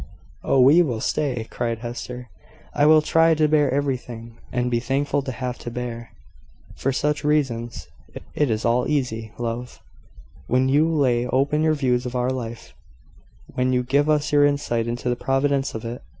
"Oh, we will stay!" cried Hester. "I will try to bear everything, and be thankful to have to bear, for such reasons. It is all easy, love, when you lay open your views of our life when you give us your insight into the providence of it.